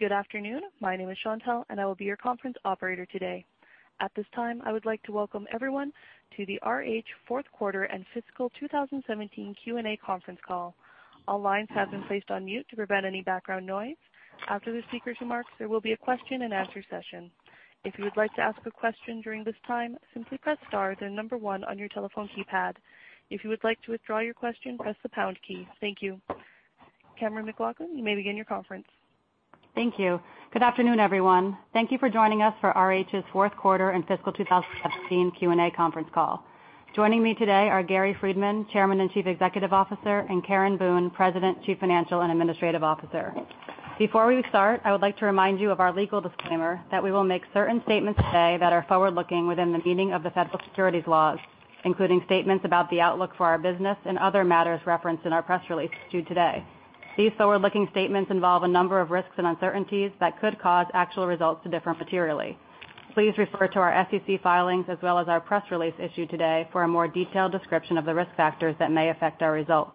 Good afternoon. My name is Chantelle, and I will be your conference operator today. At this time, I would like to welcome everyone to the RH fourth quarter and fiscal 2017 Q&A conference call. All lines have been placed on mute to prevent any background noise. After the speaker's remarks, there will be a question and answer session. If you would like to ask a question during this time, simply press star, then number one on your telephone keypad. If you would like to withdraw your question, press the pound key. Thank you. Cammeron McLaughlin, you may begin your conference. Thank you. Good afternoon, everyone. Thank you for joining us for RH's fourth quarter and fiscal 2017 Q&A conference call. Joining me today are Gary Friedman, Chairman and Chief Executive Officer, and Karen Boone, President, Chief Financial and Administrative Officer. Before we start, I would like to remind you of our legal disclaimer that we will make certain statements today that are forward-looking within the meaning of the federal securities laws, including statements about the outlook for our business and other matters referenced in our press release due today. These forward-looking statements involve a number of risks and uncertainties that could cause actual results to differ materially. Please refer to our SEC filings as well as our press release issued today for a more detailed description of the risk factors that may affect our results.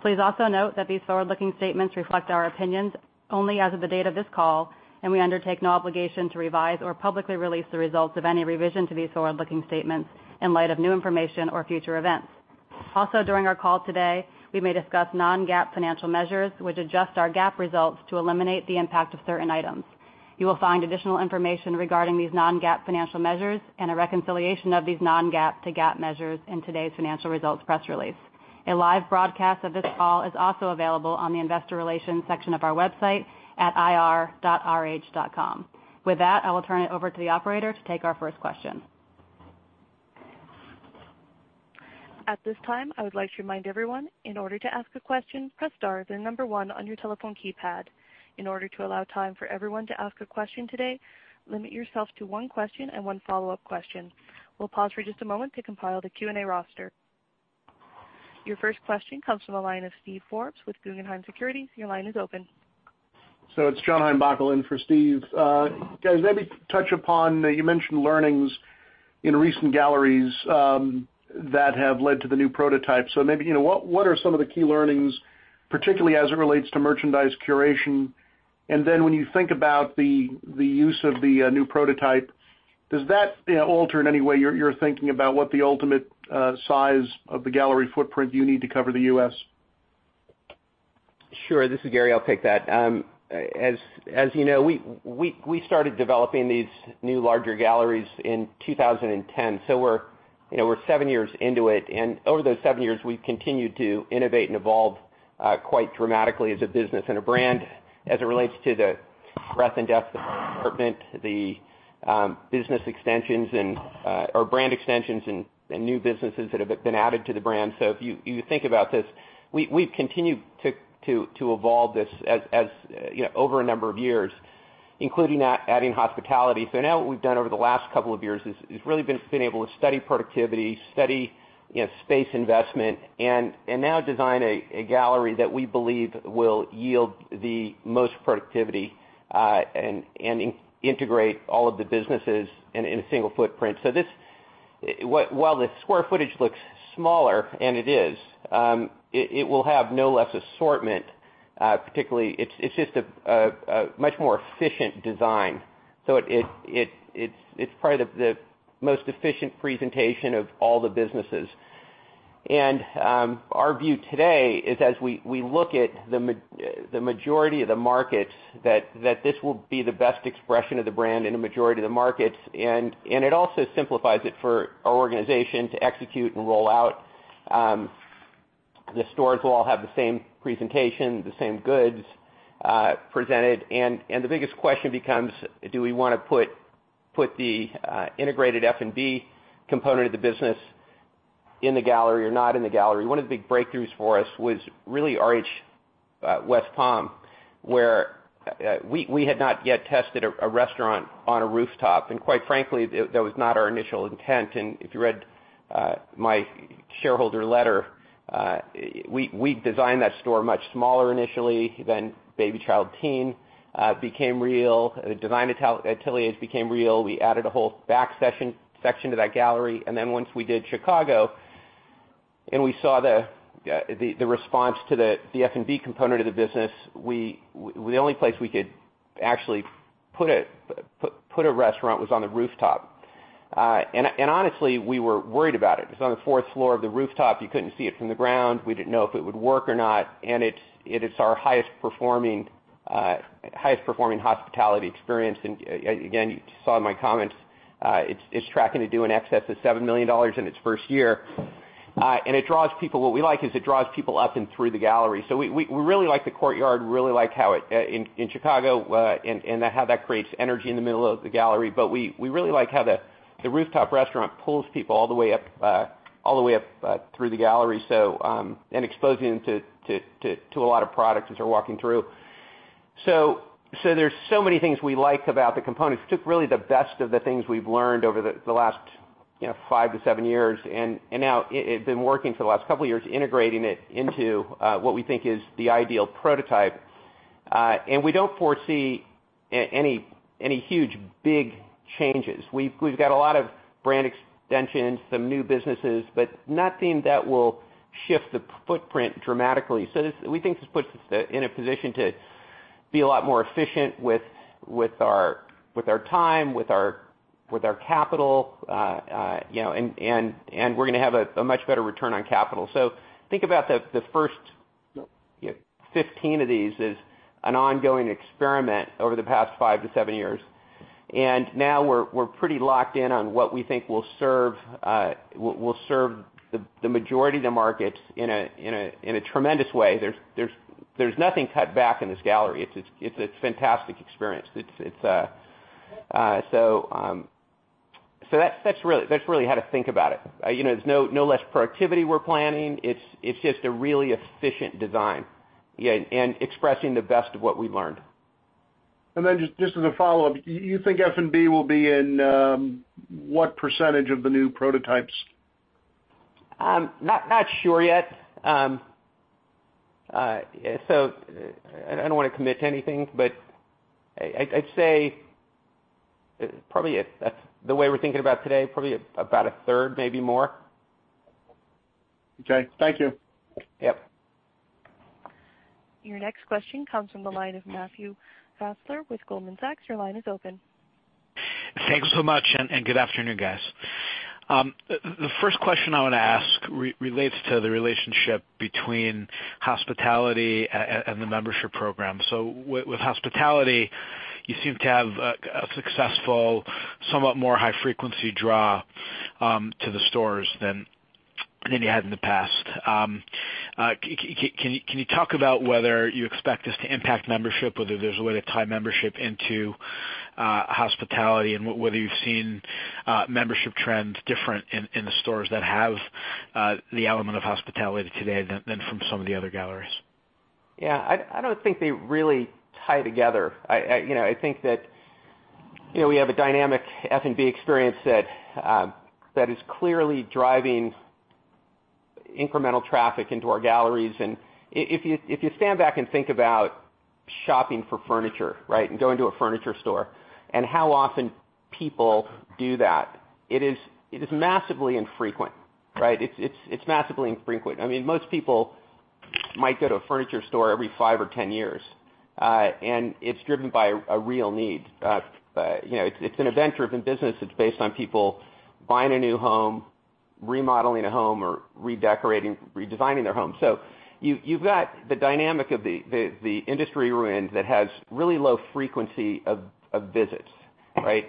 Please also note that these forward-looking statements reflect our opinions only as of the date of this call, and we undertake no obligation to revise or publicly release the results of any revision to these forward-looking statements in light of new information or future events. Also, during our call today, we may discuss non-GAAP financial measures, which adjust our GAAP results to eliminate the impact of certain items. You will find additional information regarding these non-GAAP financial measures and a reconciliation of these non-GAAP to GAAP measures in today's financial results press release. A live broadcast of this call is also available on the investor relations section of our website at ir.rh.com. With that, I will turn it over to the operator to take our first question. At this time, I would like to remind everyone, in order to ask a question, press star, then number one on your telephone keypad. In order to allow time for everyone to ask a question today, limit yourself to one question and one follow-up question. We'll pause for just a moment to compile the Q&A roster. Your first question comes from the line of Steve Forbes with Guggenheim Securities. Your line is open. It's John Heinbockel in for Steve. Guys, maybe touch upon, you mentioned learnings in recent galleries that have led to the new prototype. Maybe what are some of the key learnings, particularly as it relates to merchandise curation? When you think about the use of the new prototype, does that alter in any way your thinking about what the ultimate size of the gallery footprint you need to cover the U.S.? Sure. This is Gary. I'll take that. As you know, we started developing these new larger galleries in 2010. We're seven years into it, and over those seven years, we've continued to innovate and evolve quite dramatically as a business and a brand as it relates to the breadth and depth of the assortment, the business extensions or brand extensions, and new businesses that have been added to the brand. If you think about this, we've continued to evolve this over a number of years, including adding hospitality. Now what we've done over the last couple of years is really been able to study productivity, study space investment, and now design a gallery that we believe will yield the most productivity, and integrate all of the businesses in a single footprint. While the square footage looks smaller, and it is, it will have no less assortment. Particularly, it's just a much more efficient design. It's probably the most efficient presentation of all the businesses. Our view today is as we look at the majority of the markets, that this will be the best expression of the brand in a majority of the markets, and it also simplifies it for our organization to execute and roll out. The stores will all have the same presentation, the same goods presented, and the biggest question becomes: Do we want to put the integrated F&B component of the business in the gallery or not in the gallery? One of the big breakthroughs for us was really RH West Palm, where we had not yet tested a restaurant on a rooftop, and quite frankly, that was not our initial intent. If you read my shareholder letter, we designed that store much smaller initially than Baby Child Teen became real. Design ateliers became real. We added a whole back section to that gallery. Once we did Chicago and we saw the response to the F&B component of the business, the only place we could actually put a restaurant was on the rooftop. Honestly, we were worried about it. It's on the fourth floor of the rooftop. You couldn't see it from the ground. We didn't know if it would work or not, and it is our highest performing hospitality experience. You saw in my comments, it's tracking to do in excess of $7 million in its first year. It draws people. What we like is it draws people up and through the gallery. We really like the courtyard, really like how in Chicago and how that creates energy in the middle of the gallery. We really like how the rooftop restaurant pulls people all the way up through the gallery and exposing them to a lot of products as they're walking through. There's so many things we like about the components. We took really the best of the things we've learned over the last 5 to 7 years, and now have been working for the last couple of years integrating it into what we think is the ideal prototype. We don't foresee any huge, big changes. We've got a lot of brand extensions, some new businesses, but nothing that will shift the footprint dramatically. We think this puts us in a position to be a lot more efficient with our time, with our capital, and we're going to have a much better return on capital. Think about the first 15 of these as an ongoing experiment over the past 5 to 7 years. Now we're pretty locked in on what we think will serve the majority of the markets in a tremendous way. There's nothing cut back in this gallery. It's a fantastic experience. That's really how to think about it. There's no less productivity we're planning. It's just a really efficient design, and expressing the best of what we've learned. Just as a follow-up, you think F&B will be in what percentage of the new prototypes? I'm not sure yet. I don't want to commit to anything, but I'd say probably, the way we're thinking about today, probably about a third, maybe more. Okay. Thank you. Yep. Your next question comes from the line of Matthew Fassler with Goldman Sachs. Your line is open. Thank you so much, good afternoon, guys. With hospitality, you seem to have a successful, somewhat more high frequency draw to the stores than you had in the past. Can you talk about whether you expect this to impact membership, whether there's a way to tie membership into hospitality, and whether you've seen membership trends different in the stores that have the element of hospitality today than from some of the other galleries? Yeah, I don't think they really tie together. I think that we have a dynamic F&B experience that is clearly driving incremental traffic into our galleries. If you stand back and think about shopping for furniture, right, and going to a furniture store, and how often people do that, it is massively infrequent. Right? It's massively infrequent. Most people might go to a furniture store every five or 10 years. It's driven by a real need. It's an event-driven business. It's based on people buying a new home, remodeling a home, or redecorating, redesigning their home. You've got the dynamic of the industry we're in that has really low frequency of visits, right?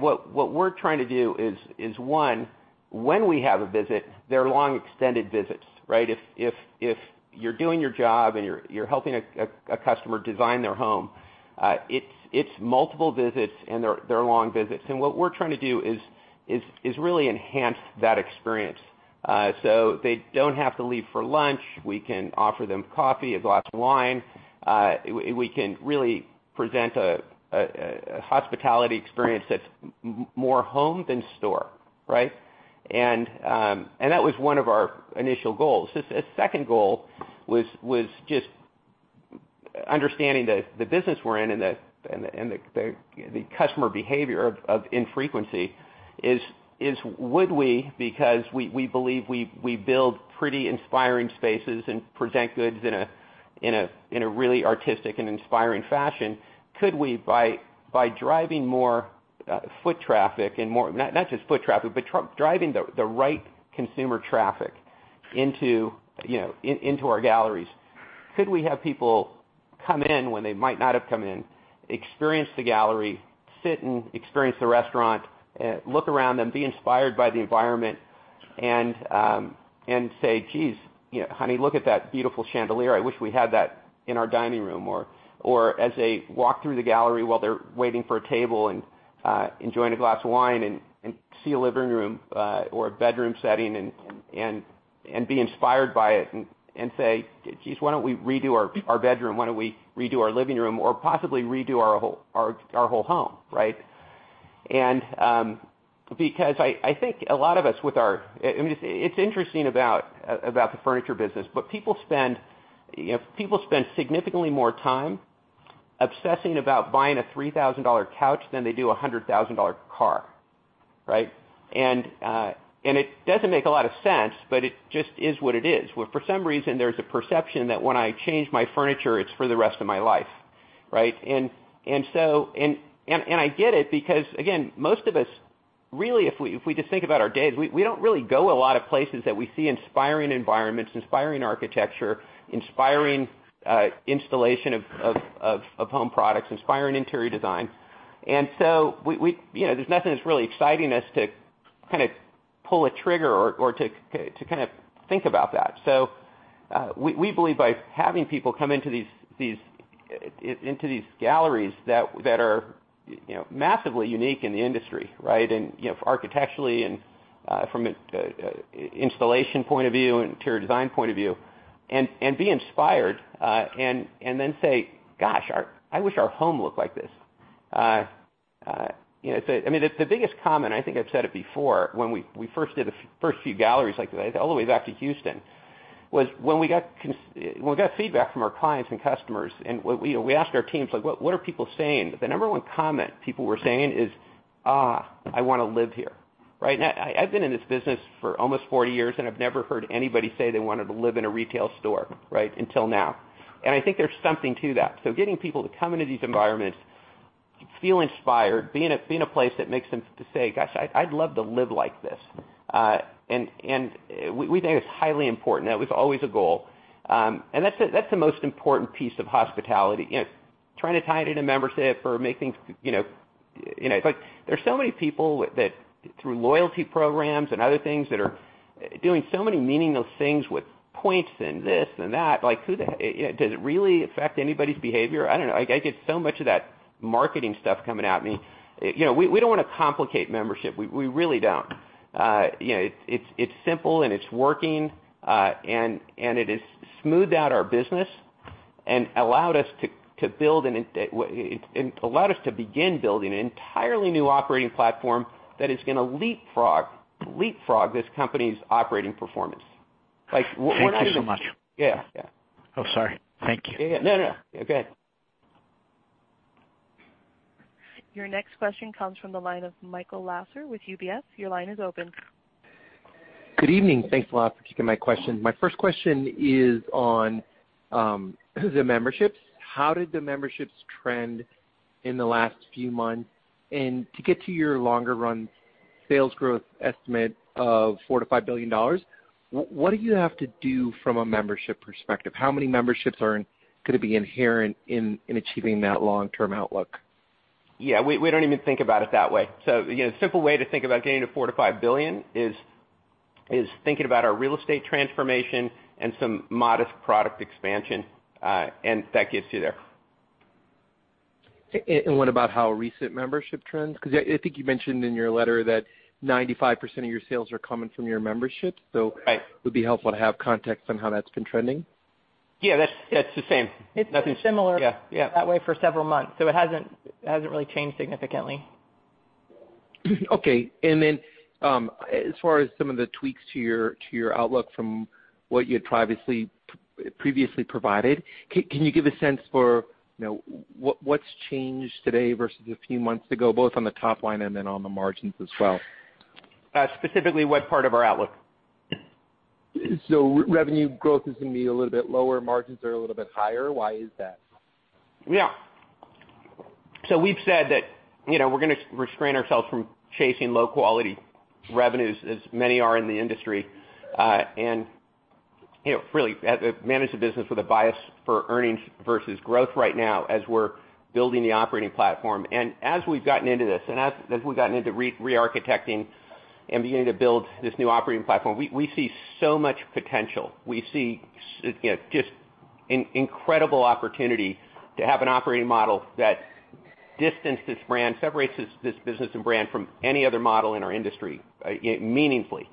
What we're trying to do is, one, when we have a visit, they're long extended visits, right? If you're doing your job and you're helping a customer design their home, it's multiple visits and they're long visits. What we're trying to do is really enhance that experience. They don't have to leave for lunch. We can offer them coffee, a glass of wine. We can really present a hospitality experience that's more home than store. Right. That was one of our initial goals. A second goal was just understanding the business we're in and the customer behavior of infrequency is, would we, because we believe we build pretty inspiring spaces and present goods in a really artistic and inspiring fashion, could we, by driving more foot traffic, not just foot traffic, but driving the right consumer traffic into our galleries, could we have people come in when they might not have come in, experience the gallery, sit and experience the restaurant, look around and be inspired by the environment and say, "Geez, honey, look at that beautiful chandelier. I wish we had that in our dining room." As they walk through the gallery while they're waiting for a table and enjoying a glass of wine and see a living room or a bedroom setting and be inspired by it and say, "Geez, why don't we redo our bedroom? Why don't we redo our living room or possibly redo our whole home?" Right. I think a lot of us. It's interesting about the furniture business, but people spend significantly more time obsessing about buying a $3,000 couch than they do a $100,000 car, right. It doesn't make a lot of sense, but it just is what it is, where for some reason, there's a perception that when I change my furniture, it's for the rest of my life, right. I get it because, again, most of us really, if we just think about our days, we don't really go a lot of places that we see inspiring environments, inspiring architecture, inspiring installation of home products, inspiring interior design. There's nothing that's really exciting us to kind of pull a trigger or to kind of think about that. We believe by having people come into these galleries that are massively unique in the industry, right. Architecturally and from an installation point of view, interior design point of view, and be inspired, then say, "Gosh, I wish our home looked like this." The biggest comment, I think I've said it before, when we first did the first few galleries like that, all the way back to Houston, was when we got feedback from our clients and customers, and we ask our teams, "What are people saying?" The number one comment people were saying is "I want to live here." Right now, I've been in this business for almost 40 years, and I've never heard anybody say they wanted to live in a retail store, right, until now. I think there's something to that. Getting people to come into these environments, feel inspired, be in a place that makes them say, "Gosh, I'd love to live like this." We think it's highly important. That was always a goal. That's the most important piece of hospitality, trying to tie it in a membership or make things. There's so many people that through loyalty programs and other things that are doing so many meaningless things with points and this and that. Does it really affect anybody's behavior? I don't know. I get so much of that marketing stuff coming at me. We don't want to complicate membership. We really don't. It's simple and it's working, and it has smoothed out our business and allowed us to begin building an entirely new operating platform that is going to leapfrog this company's operating performance. Thank you so much. Yeah. Sorry. Thank you. No. Go ahead. Your next question comes from the line of Michael Lasser with UBS. Your line is open. Good evening. Thanks a lot for taking my question. My first question is on the memberships. How did the memberships trend in the last few months? To get to your longer run sales growth estimate of $4 billion-$5 billion, what do you have to do from a membership perspective? How many memberships are going to be inherent in achieving that long-term outlook? Yeah, we don't even think about it that way. A simple way to think about getting to $4 billion-$5 billion is thinking about our real estate transformation and some modest product expansion, that gets you there. What about how recent membership trends? I think you mentioned in your letter that 95% of your sales are coming from your membership. Right. It would be helpful to have context on how that's been trending. That's the same. It's been similar. Yeah It's been that way for several months. It hasn't really changed significantly. Okay. As far as some of the tweaks to your outlook from what you had previously provided, can you give a sense for what's changed today versus a few months ago, both on the top line and on the margins as well? Specifically what part of our outlook? Revenue growth is going to be a little bit lower, margins are a little bit higher. Why is that? Yeah. We've said that we're going to restrain ourselves from chasing low-quality revenues, as many are in the industry. Really manage the business with a bias for earnings versus growth right now as we're building the operating platform. As we've gotten into this, and as we've gotten into re-architecting and beginning to build this new operating platform, we see so much potential. We see just incredible opportunity to have an operating model that distances this brand, separates this business and brand from any other model in our industry, meaningfully.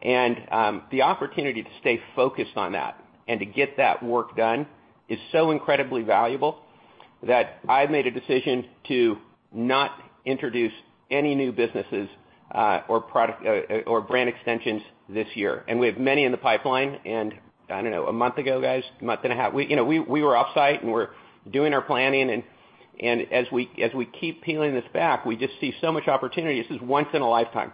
The opportunity to stay focused on that and to get that work done is so incredibly valuable that I've made a decision to not introduce any new businesses or brand extensions this year. We have many in the pipeline. I don't know, a month ago, guys, a month and a half, we were off-site, we're doing our planning, as we keep peeling this back, we just see so much opportunity. This is once in a lifetime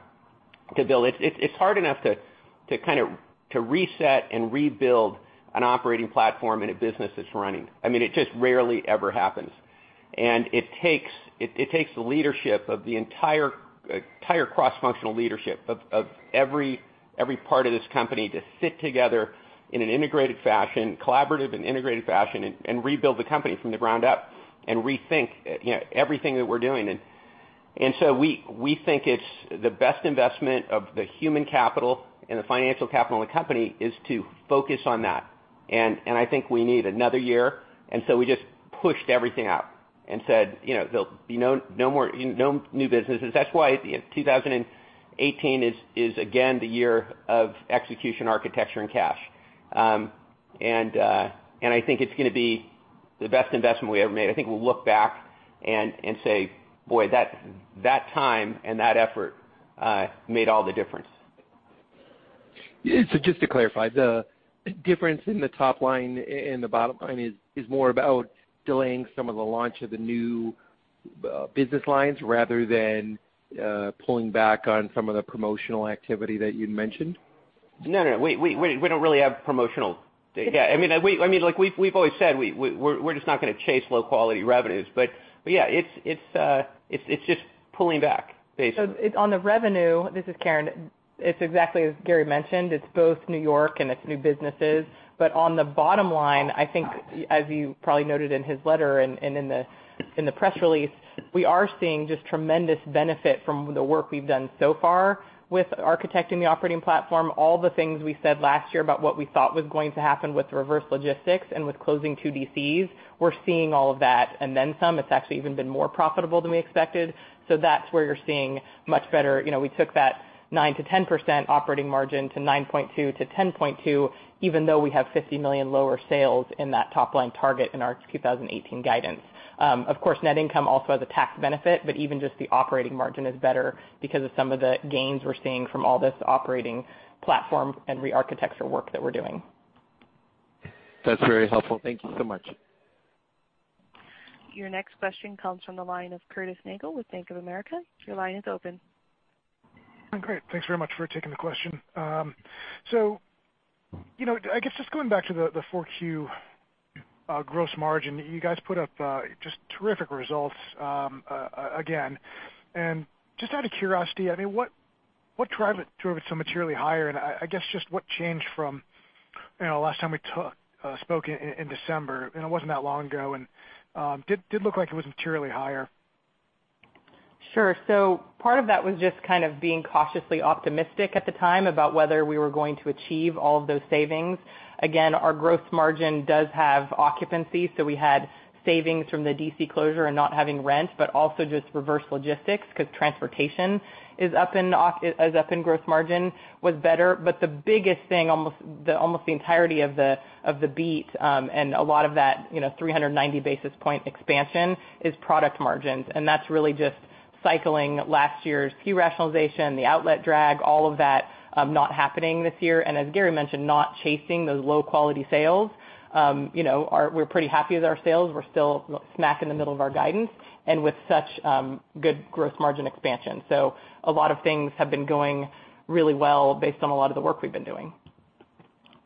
to build. It's hard enough to reset and rebuild an operating platform in a business that's running. It just rarely ever happens. It takes the leadership of the entire cross-functional leadership of every part of this company to sit together in an integrated fashion, collaborative and integrated fashion, and rebuild the company from the ground up and rethink everything that we're doing. We think it's the best investment of the human capital and the financial capital in the company is to focus on that. I think we need another year, we just pushed everything out and said there'll be no new businesses. That's why 2018 is again the year of execution, architecture, and cash. I think it's going to be the best investment we ever made. I think we'll look back and say, "Boy, that time and that effort made all the difference. Just to clarify, the difference in the top line and the bottom line is more about delaying some of the launch of the new business lines rather than pulling back on some of the promotional activity that you'd mentioned? No. We don't really have promotional. Like we've always said, we're just not going to chase low-quality revenues. Yeah, it's just pulling back, basically. On the revenue, this is Karen, it's exactly as Gary mentioned, it's both N.Y. and it's new businesses. On the bottom line, I think as you probably noted in his letter and in the press release, we are seeing just tremendous benefit from the work we've done so far with architecting the operating platform. All the things we said last year about what we thought was going to happen with reverse logistics and with closing 2 DCs, we're seeing all of that and then some. It's actually even been more profitable than we expected. That's where you're seeing. We took that 9%-10% operating margin to 9.2%-10.2%, even though we have $50 million lower sales in that top-line target in our 2018 guidance. Of course, net income also has a tax benefit, but even just the operating margin is better because of some of the gains we're seeing from all this operating platform and re-architecture work that we are doing. That's very helpful. Thank you so much. Your next question comes from the line of Curtis Nagle with Bank of America. Your line is open. Great. Thanks very much for taking the question. I guess just going back to the 4Q gross margin. You guys put up just terrific results, again. Just out of curiosity, what drove it so materially higher? I guess just what changed from last time we spoke in December, and it wasn't that long ago, and did look like it was materially higher. Sure. Part of that was just kind of being cautiously optimistic at the time about whether we were going to achieve all of those savings. Again, our gross margin does have occupancy, so we had savings from the DC closure and not having rent, but also just reverse logistics because transportation is up and gross margin was better. The biggest thing, almost the entirety of the beat, and a lot of that 390 basis point expansion is product margins. That's really just cycling last year's SKU rationalization, the outlet drag, all of that, not happening this year. As Gary mentioned, not chasing those low-quality sales. We're pretty happy with our sales. We're still smack in the middle of our guidance and with such good gross margin expansion. A lot of things have been going really well based on a lot of the work we've been doing.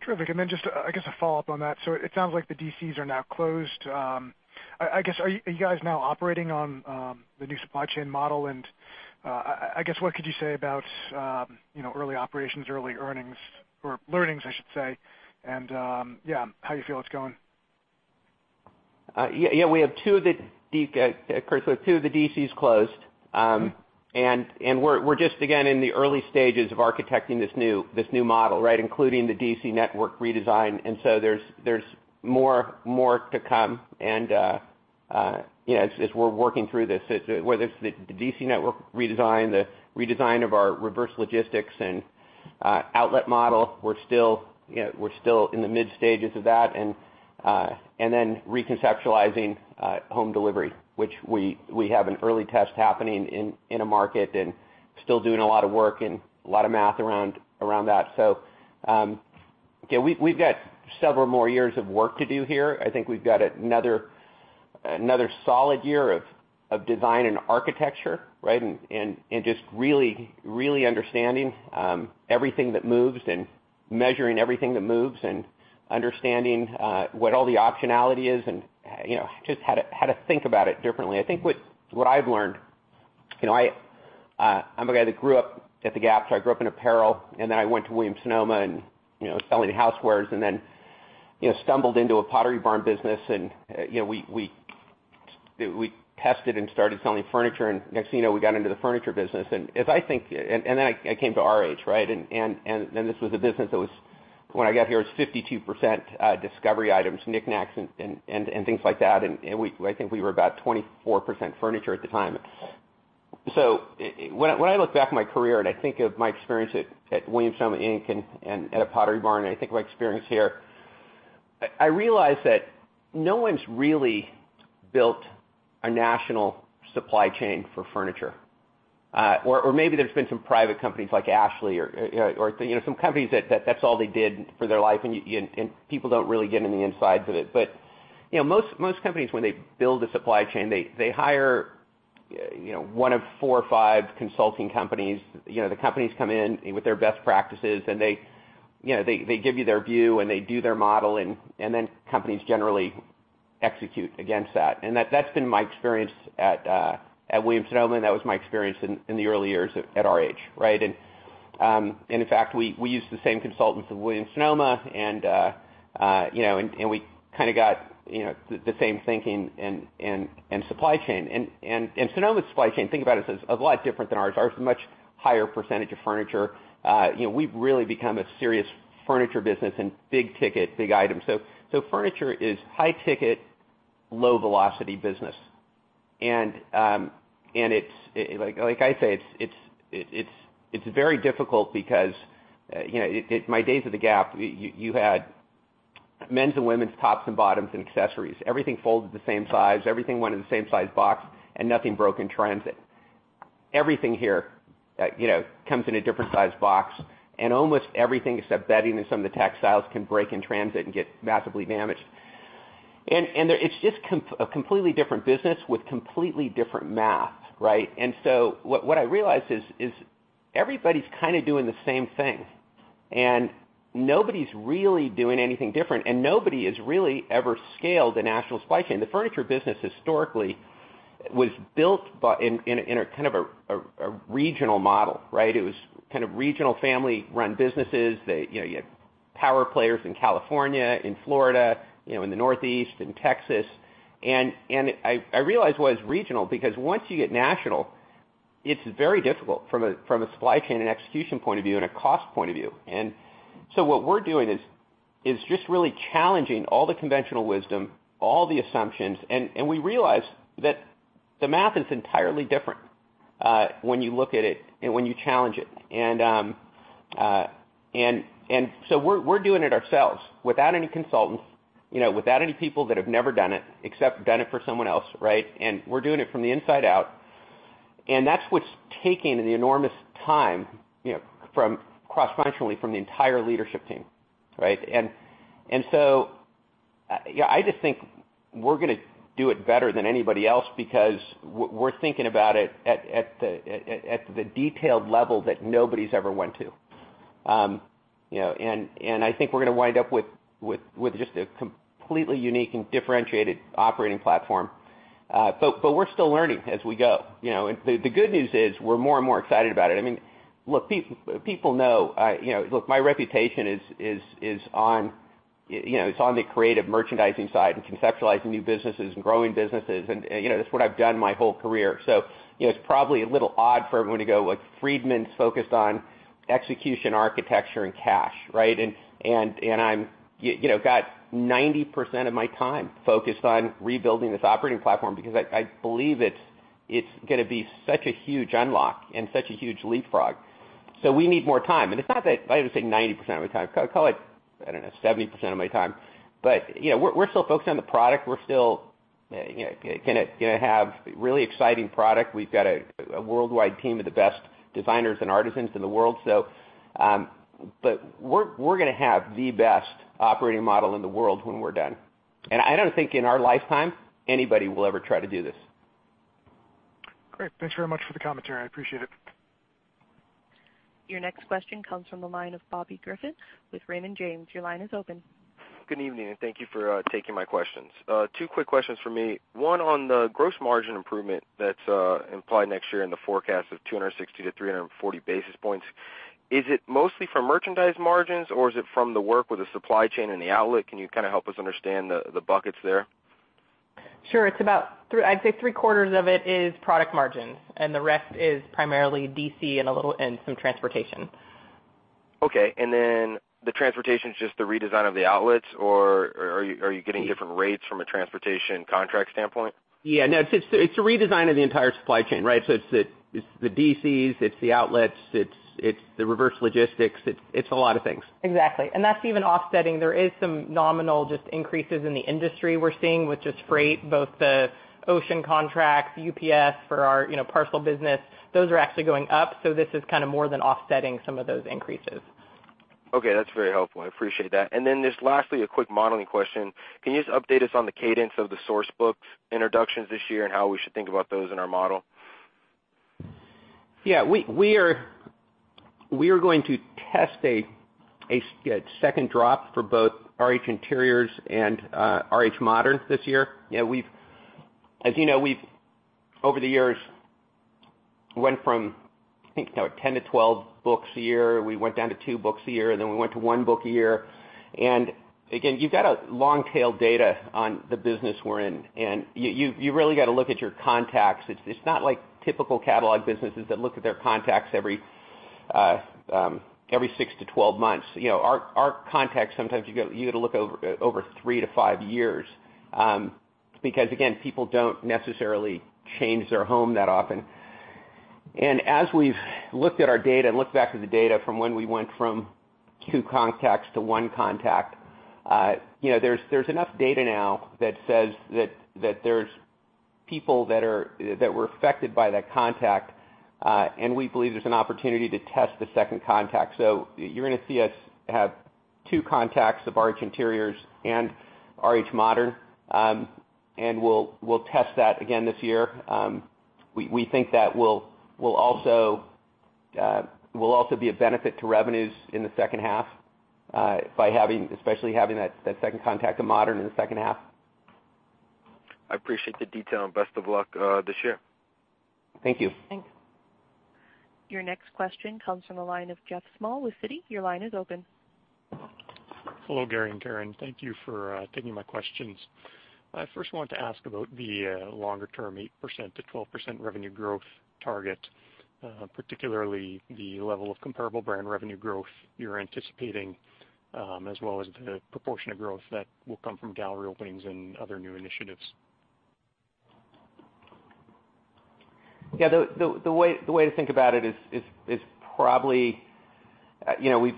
Terrific. I guess a follow-up on that. It sounds like the DCs are now closed. I guess, are you guys now operating on the new supply chain model? I guess what could you say about early operations, early earnings or learnings, I should say, and, yeah, how you feel it's going? Yeah, Curtis, we have two of the DCs closed. We're just again in the early stages of architecting this new model, including the DC network redesign. There's more to come and as we're working through this, whether it's the DC network redesign, the redesign of our reverse logistics and outlet model, we're still in the mid stages of that. Reconceptualizing home delivery, which we have an early test happening in a market and still doing a lot of work and a lot of math around that. So, yeah, we've got several more years of work to do here. I think we've got another solid year of design and architecture, right? Just really understanding everything that moves and measuring everything that moves and understanding what all the optionality is and just how to think about it differently. I think what I've learned, I'm a guy that grew up at the Gap, so I grew up in apparel. I went to Williams Sonoma and was selling housewares and then stumbled into a Pottery Barn business. We tested and started selling furniture, and next thing you know, we got into the furniture business. I came to RH, right? This was a business that was, when I got here, it was 52% discovery items, knick-knacks, and things like that. I think we were about 24% furniture at the time. When I look back at my career and I think of my experience at Williams-Sonoma, Inc. and at Pottery Barn, and I think of my experience here, I realize that no one's really built a national supply chain for furniture. Maybe there's been some private companies like Ashley or some companies that that's all they did for their life, and people don't really get in the insides of it. Most companies, when they build a supply chain, they hire one of four or five consulting companies. The companies come in with their best practices, and they give you their view, and they do their model, then companies generally execute against that. That's been my experience at Williams Sonoma, and that was my experience in the early years at RH, right? In fact, we used the same consultants at Williams Sonoma and we kind of got the same thinking and supply chain. Sonoma supply chain, think about it, is a lot different than ours. Ours is a much higher percentage of furniture. We've really become a serious furniture business and big ticket, big items. Furniture is high ticket, low velocity business. Like I say, it's very difficult because in my days at the Gap, you had men's and women's tops and bottoms and accessories. Everything folded the same size, everything went in the same size box, and nothing broke in transit. Everything here comes in a different size box, and almost everything except bedding and some of the textiles can break in transit and get massively damaged. It's just a completely different business with completely different math, right? What I realized is everybody's kind of doing the same thing, and nobody's really doing anything different, and nobody has really ever scaled a national supply chain. The furniture business historically was built in a kind of a regional model, right? It was kind of regional family-run businesses. You had power players in California, in Florida, in the Northeast, in Texas. I realized why it's regional, because once you get national, it's very difficult from a supply chain and execution point of view and a cost point of view. What we're doing is just really challenging all the conventional wisdom, all the assumptions. We realize that the math is entirely different, when you look at it and when you challenge it. We're doing it ourselves without any consultants, without any people that have never done it except done it for someone else, right? We're doing it from the inside out. That's what's taking the enormous time, cross-functionally from the entire leadership team. Right? I just think we're going to do it better than anybody else because we're thinking about it at the detailed level that nobody's ever went to. I think we're going to wind up with just a completely unique and differentiated operating platform. We're still learning as we go. The good news is we're more and more excited about it. Look, people know, my reputation is on the creative merchandising side and conceptualizing new businesses and growing businesses, and that's what I've done my whole career. It's probably a little odd for everyone to go, "Friedman's focused on execution, architecture, and cash," right? Got 90% of my time focused on rebuilding this operating platform because I believe it's going to be such a huge unlock and such a huge leapfrog. We need more time. It's not that I wouldn't say 90% of my time, call it, I don't know, 70% of my time. We're still focused on the product. We're still going to have really exciting product. We've got a worldwide team of the best designers and artisans in the world. We're going to have the best operating model in the world when we're done. I don't think in our lifetime anybody will ever try to do this. Great. Thanks very much for the commentary. I appreciate it. Your next question comes from the line of Bobby Griffin with Raymond James. Your line is open. Good evening, thank you for taking my questions. Two quick questions for me. One on the gross margin improvement that's implied next year in the forecast of 260-340 basis points. Is it mostly from merchandise margins or is it from the work with the supply chain and the outlet? Can you kind of help us understand the buckets there? Sure. I'd say three-quarters of it is product margins. The rest is primarily DC and some transportation. Okay. The transportation is just the redesign of the outlets, or are you getting different rates from a transportation contract standpoint? Yeah, no, it's a redesign of the entire supply chain, right? It's the DCs, it's the outlets, it's the reverse logistics. It's a lot of things. Exactly. That's even offsetting. There is some nominal, just increases in the industry we're seeing, which is freight, both the ocean contracts, UPS for our parcel business. Those are actually going up. This is kind of more than offsetting some of those increases. Okay. That's very helpful. I appreciate that. Just lastly, a quick modeling question. Can you just update us on the cadence of the Source Books introductions this year and how we should think about those in our model? Yeah. We are going to test a second drop for both RH Interiors and RH Modern this year. As you know, we've, over the years, went from, I think, 10 to 12 books a year. We went down to two books a year, then we went to one book a year. Again, you've got a long-tail data on the business we're in, and you really got to look at your contacts. It's not like typical catalog businesses that look at their contacts every six to 12 months. Our contacts, sometimes you got to look over three to five years. Again, people don't necessarily change their home that often. As we've looked at our data and looked back at the data from when we went from two contacts to one contact, there's enough data now that says that there's people that were affected by that contact. We believe there's an opportunity to test the second contact. You're going to see us have two contacts of RH Interiors and RH Modern. We'll test that again this year. We think that will also be a benefit to revenues in the second half, especially having that second contact of Modern in the second half. I appreciate the detail and best of luck this year. Thank you. Thanks. Your next question comes from the line of Jeff Small with Citi. Your line is open. Hello, Gary and Karen. Thank you for taking my questions. I first wanted to ask about the longer-term 8%-12% revenue growth target, particularly the level of comparable brand revenue growth you're anticipating, as well as the proportion of growth that will come from gallery openings and other new initiatives. Yeah, the way to think about it is probably,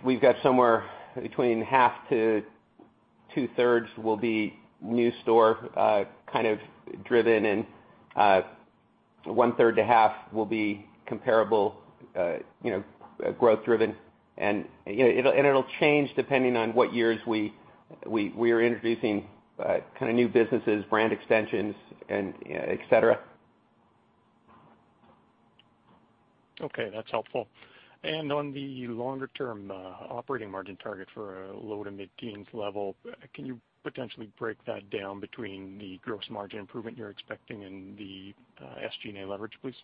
we've got somewhere between half to two-thirds will be new store kind of driven and one-third to half will be comparable growth driven. It'll change depending on what years we are introducing kind of new businesses, brand extensions, and et cetera. Okay, that's helpful. On the longer-term operating margin target for a low- to mid-teens level, can you potentially break that down between the gross margin improvement you're expecting and the SG&A leverage, please?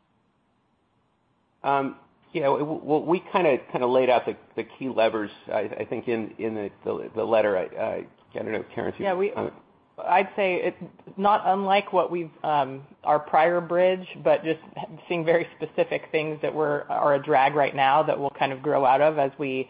Yeah. Well, we kind of laid out the key levers, I think in the letter. I don't know if Karen. I'd say it's not unlike our prior bridge, just seeing very specific things that are a drag right now that we'll kind of grow out of as we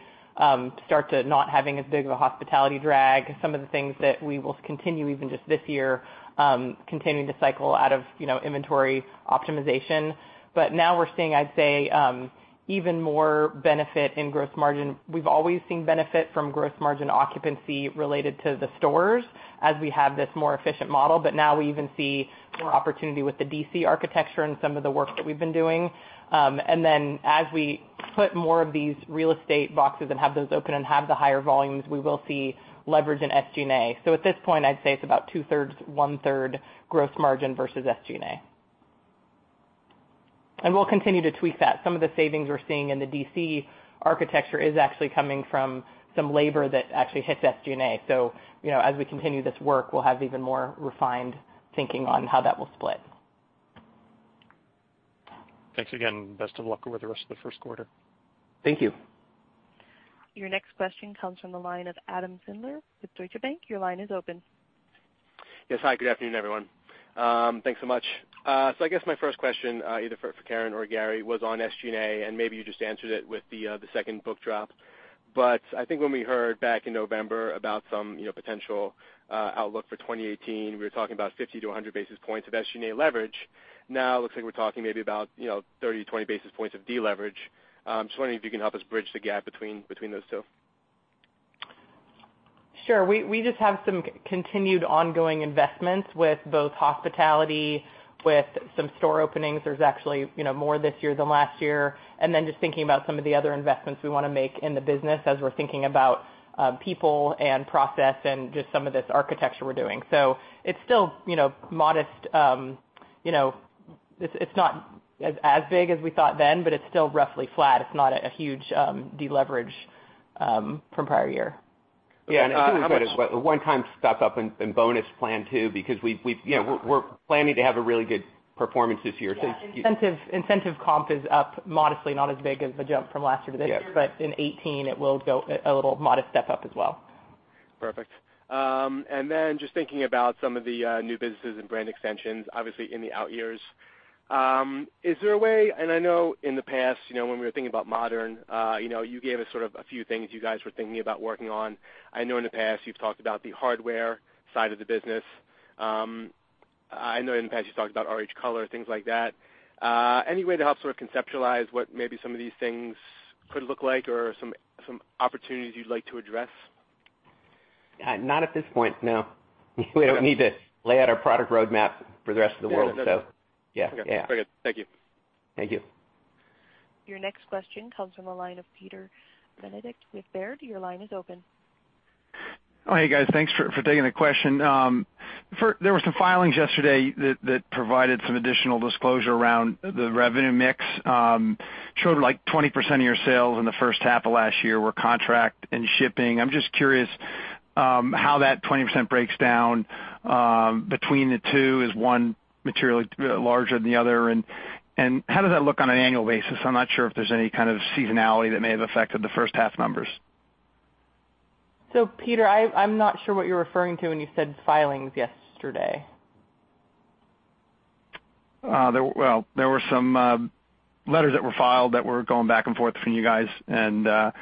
start to not having as big of a hospitality drag. Some of the things that we will continue even just this year, continuing to cycle out of inventory optimization. Now we're seeing, I'd say, even more benefit in gross margin. We've always seen benefit from gross margin occupancy related to the stores as we have this more efficient model. Now we even see more opportunity with the DC architecture and some of the work that we've been doing. As we put more of these real estate boxes and have those open and have the higher volumes, we will see leverage in SG&A. At this point, I'd say it's about two-thirds, one-third gross margin versus SG&A. We'll continue to tweak that. Some of the savings we're seeing in the DC architecture is actually coming from some labor that actually hits SG&A. As we continue this work, we'll have even more refined thinking on how that will split. Thanks again. Best of luck with the rest of the first quarter. Thank you. Your next question comes from the line of Adam Sindler with Deutsche Bank. Your line is open. Yes. Hi, good afternoon, everyone. Thanks so much. I guess my first question, either for Karen or Gary, was on SG&A, and maybe you just answered it with the second book drop. I think when we heard back in November about some potential outlook for 2018, we were talking about 50-100 basis points of SG&A leverage. Now it looks like we're talking maybe about 30, 20 basis points of deleverage. I'm just wondering if you can help us bridge the gap between those two. Sure. We just have some continued ongoing investments with both hospitality, with some store openings. There's actually more this year than last year. Just thinking about some of the other investments we want to make in the business as we're thinking about people and process and just some of this architecture we're doing. It's still modest. It's not as big as we thought then, it's still roughly flat. It's not a huge deleverage from prior year. Yeah. It's too much of a one-time step up in bonus plan, too, because we're planning to have a really good performance this year. Yeah. Incentive comp is up modestly, not as big as the jump from last year to this year. In 2018, it will go a little modest step up as well. Perfect. Just thinking about some of the new businesses and brand extensions, obviously in the out years. Is there a way, I know in the past, when we were thinking about RH Modern, you gave us sort of a few things you guys were thinking about working on. I know in the past you've talked about the hardware side of the business. I know in the past you've talked about RH Color, things like that. Any way to help sort of conceptualize what maybe some of these things could look like or some opportunities you'd like to address? Not at this point, no. We don't need to lay out our product roadmap for the rest of the world. Yeah. Okay. Very good. Thank you. Thank you. Your next question comes from the line of Peter Benedict with Baird. Your line is open. Oh, hey, guys. Thanks for taking the question. There were some filings yesterday that provided some additional disclosure around the revenue mix. Showed like 20% of your sales in the first half of last year were contract and shipping. I'm just curious how that 20% breaks down between the two. Is one materially larger than the other? How does that look on an annual basis? I'm not sure if there's any kind of seasonality that may have affected the first half numbers. Peter, I'm not sure what you're referring to when you said filings yesterday. Well, there were some letters that were filed that were going back and forth from you guys and I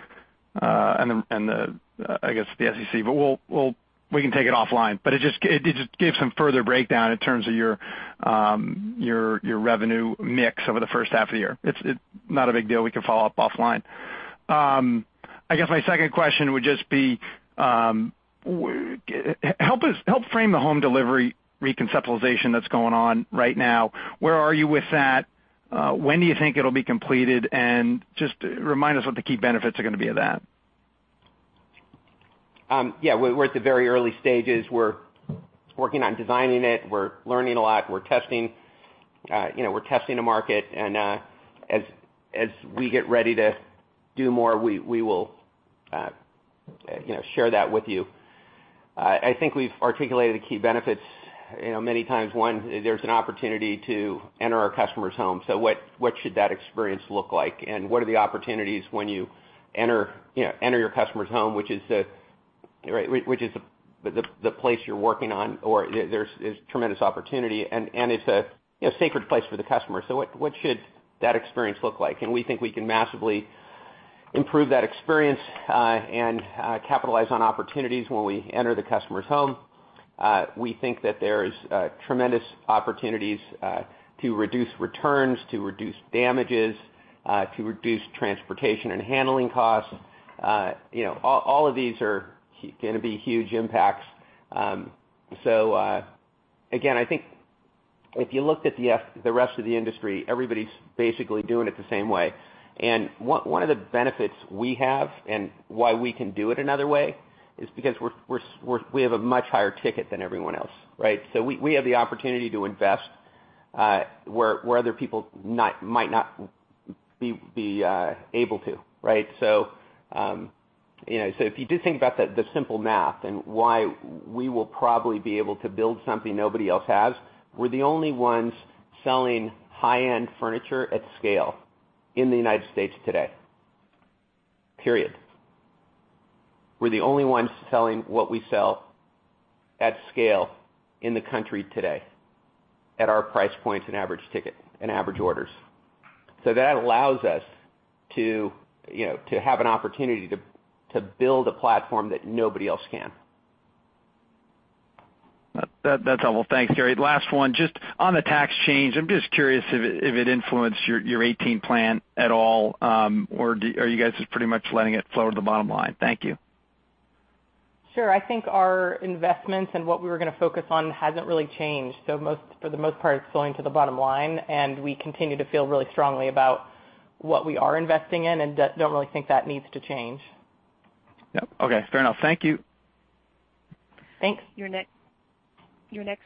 guess the SEC. We can take it offline, but it just gave some further breakdown in terms of your revenue mix over the first half of the year. It's not a big deal. We can follow up offline. I guess my second question would just be, help frame the home delivery reconceptualization that's going on right now. Where are you with that? When do you think it'll be completed? Just remind us what the key benefits are going to be of that. Yeah. We're at the very early stages. We're working on designing it. We're learning a lot. We're testing the market, and as we get ready to do more, we will share that with you. I think we've articulated the key benefits many times. One, there's an opportunity to enter our customer's home. What should that experience look like? What are the opportunities when you enter your customer's home? Which is the place you're working on, or there's tremendous opportunity, and it's a sacred place for the customer. What should that experience look like? We think we can massively improve that experience, and capitalize on opportunities when we enter the customer's home. We think that there is tremendous opportunities to reduce returns, to reduce damages, to reduce transportation and handling costs. All of these are going to be huge impacts. Again, I think if you looked at the rest of the industry, everybody's basically doing it the same way. One of the benefits we have and why we can do it another way is because we have a much higher ticket than everyone else, right? We have the opportunity to invest, where other people might not be able to, right? If you do think about the simple math and why we will probably be able to build something nobody else has, we're the only ones selling high-end furniture at scale in the United States today. Period. We're the only ones selling what we sell at scale in the country today at our price points and average ticket and average orders. That allows us to have an opportunity to build a platform that nobody else can. That's all. Well, thanks, Gary. Last one, just on the tax change, I'm just curious if it influenced your 2018 plan at all, or are you guys just pretty much letting it flow to the bottom line? Thank you. Sure. I think our investments and what we were going to focus on hasn't really changed. For the most part, it's flowing to the bottom line, and we continue to feel really strongly about what we are investing in and don't really think that needs to change. Yep. Okay. Fair enough. Thank you. Thanks. Your next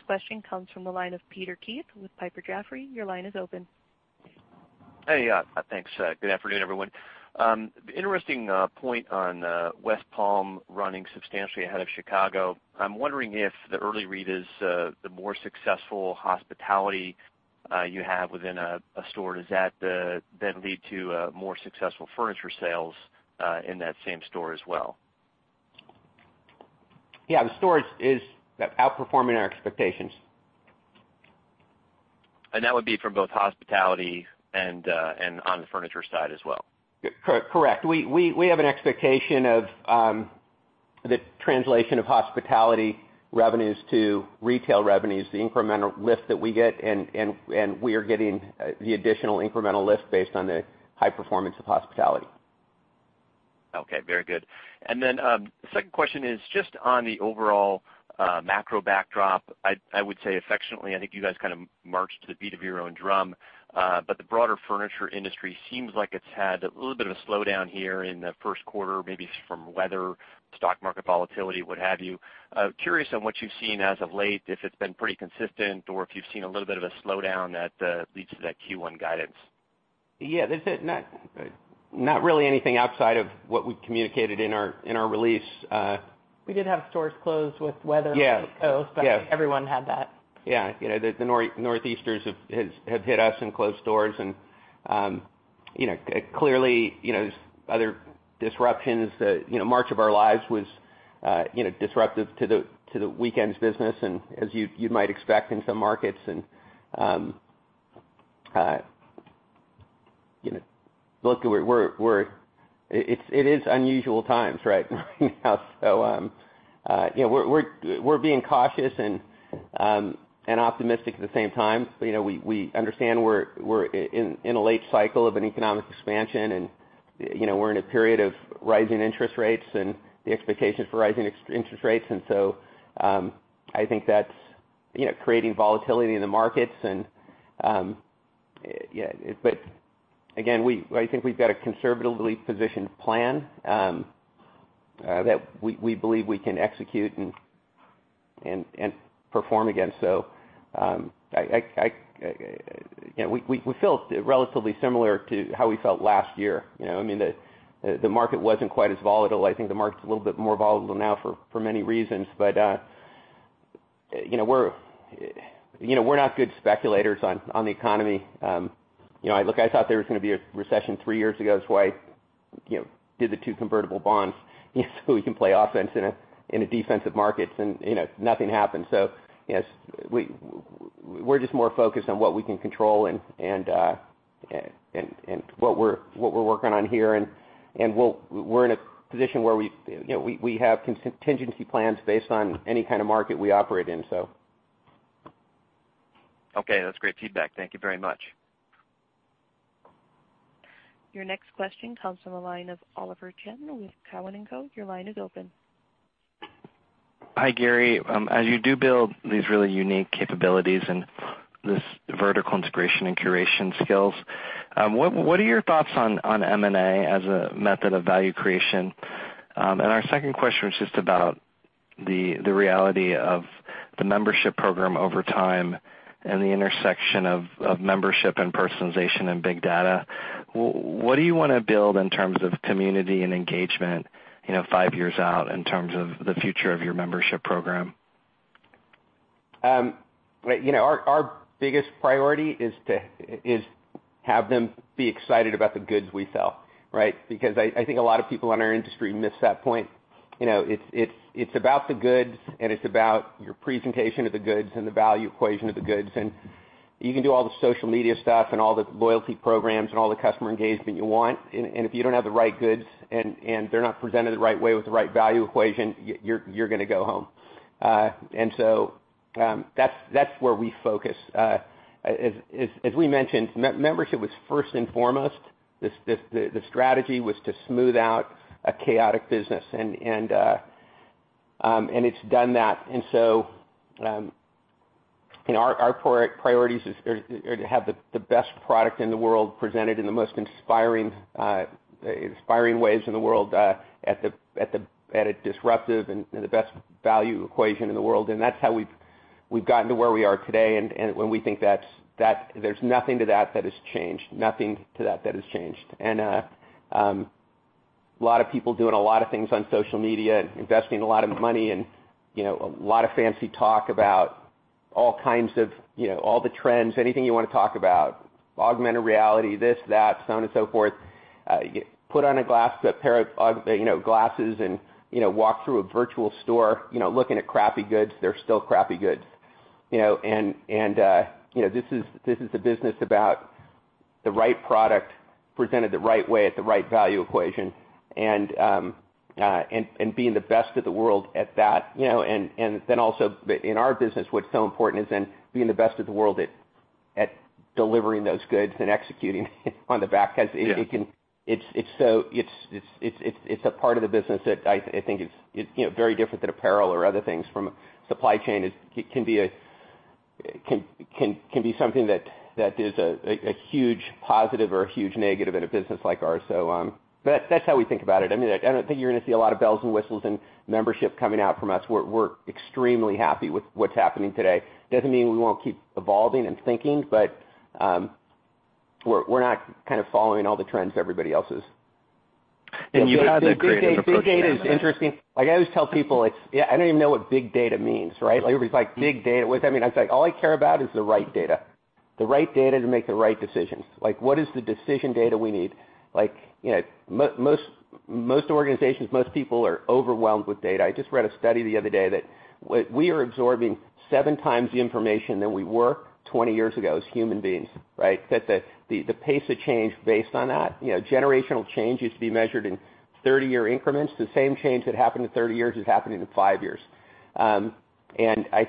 question comes from the line of Peter Keith with Piper Jaffray. Your line is open. Hey. Thanks. Good afternoon, everyone. Interesting point on West Palm running substantially ahead of Chicago. I'm wondering if the early read is the more successful hospitality you have within a store, does that then lead to more successful furniture sales in that same store as well? The store is outperforming our expectations. That would be for both hospitality and on the furniture side as well? Correct. We have an expectation of the translation of hospitality revenues to retail revenues, the incremental lift that we get, and we are getting the additional incremental lift based on the high performance of hospitality. Okay. Very good. Second question is just on the overall macro backdrop. I would say affectionately, I think you guys kind of march to the beat of your own drum. The broader furniture industry seems like it's had a little bit of a slowdown here in the first quarter, maybe from weather, stock market volatility, what have you. Curious on what you've seen as of late, if it's been pretty consistent or if you've seen a little bit of a slowdown that leads to that Q1 guidance. Yeah. Not really anything outside of what we communicated in our release. We did have stores closed with weather on the coast- Yes Everyone had that. Yeah. The northeasters have hit us and closed stores and clearly, there's other disruptions. March for Our Lives was disruptive to the weekends business and as you'd might expect in some markets and Look, it is unusual times right now so, we're being cautious and optimistic at the same time. We understand we're in a late cycle of an economic expansion and we're in a period of rising interest rates and the expectations for rising interest rates. I think that's creating volatility in the markets and But again, I think we've got a conservatively positioned plan, that we believe we can execute and perform against. We feel relatively similar to how we felt last year. I mean, the market wasn't quite as volatile. I think the market's a little bit more volatile now for many reasons, but we're not good speculators on the economy. I thought there was going to be a recession three years ago, that's why I did the two convertible bonds, we can play offense in a defensive market and nothing happened. We're just more focused on what we can control and what we're working on here, and we're in a position where we have contingency plans based on any kind of market we operate in, so. Okay. That's great feedback. Thank you very much. Your next question comes from the line of Oliver Chen with Cowen and Co. Your line is open. Hi, Gary. As you do build these really unique capabilities and this vertical integration and curation skills, what are your thoughts on M&A as a method of value creation? Our second question was just about the reality of the membership program over time and the intersection of membership and personalization and big data. What do you want to build in terms of community and engagement five years out in terms of the future of your membership program? Our biggest priority is have them be excited about the goods we sell, right? Because I think a lot of people in our industry miss that point. It's about the goods, and it's about your presentation of the goods and the value equation of the goods. You can do all the social media stuff and all the loyalty programs and all the customer engagement you want, and if you don't have the right goods and they're not presented the right way with the right value equation, you're gonna go home. That's where we focus. As we mentioned, membership was first and foremost. The strategy was to smooth out a chaotic business, and it's done that. Our priorities is, or to have the best product in the world presented in the most inspiring ways in the world, at a disruptive and the best value equation in the world. That's how we've gotten to where we are today, and we think that there's nothing to that that has changed. Nothing to that that has changed. Lot of people doing a lot of things on social media and investing a lot of money and a lot of fancy talk about all the trends, anything you want to talk about, augmented reality, this, that, so on and so forth. Put on a pair of glasses and walk through a virtual store looking at crappy goods, they're still crappy goods. This is a business about the right product presented the right way at the right value equation and being the best in the world at that. Also in our business, what's so important is in being the best in the world at delivering those goods and executing on the back end. Yeah. It's a part of the business that I think is very different than apparel or other things from supply chain can be something that is a huge positive or a huge negative in a business like ours. That's how we think about it. I don't think you're going to see a lot of bells and whistles and membership coming out from us. We're extremely happy with what's happening today. Doesn't mean we won't keep evolving and thinking, but we're not following all the trends everybody else is. You have that creative approach to M&A. Big data is interesting. I always tell people, "I don't even know what big data means." Everybody's like, "Big data, what does that mean?" I say, "All I care about is the right data. The right data to make the right decisions." What is the decision data we need? Most organizations, most people are overwhelmed with data. I just read a study the other day that we are absorbing 7 times the information than we were 20 years ago as human beings. That the pace of change based on that, generational change used to be measured in 30-year increments. The same change that happened in 30 years is happening in five years. I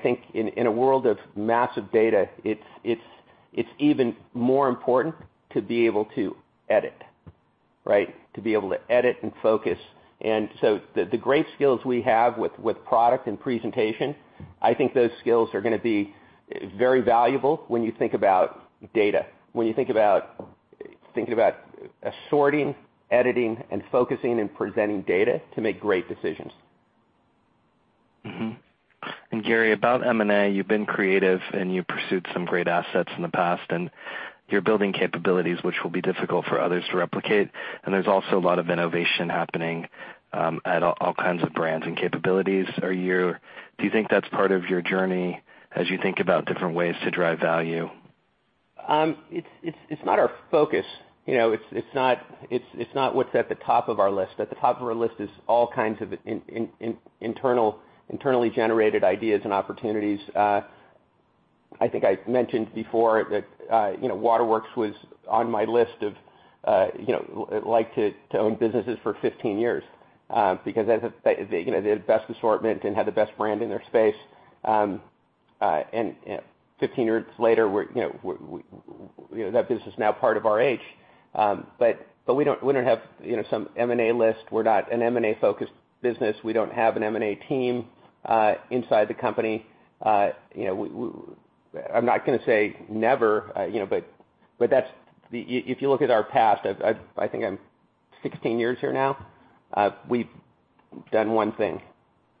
think in a world of massive data, it's even more important to be able to edit. To be able to edit and focus. The great skills we have with product and presentation, I think those skills are going to be very valuable when you think about data. When you think about sorting, editing, and focusing and presenting data to make great decisions. Mm-hmm. Gary, about M&A, you've been creative and you pursued some great assets in the past, you're building capabilities which will be difficult for others to replicate. There's also a lot of innovation happening at all kinds of brands and capabilities. Do you think that's part of your journey as you think about different ways to drive value? It's not our focus. It's not what's at the top of our list. At the top of our list is all kinds of internally generated ideas and opportunities. I think I mentioned before that Waterworks was on my list of like to own businesses for 15 years. Because they had the best assortment and had the best brand in their space. 15 years later, that business is now part of RH. We don't have some M&A list. We're not an M&A-focused business. We don't have an M&A team inside the company. I'm not going to say never, but if you look at our past, I think I'm 16 years here now, we've done one thing.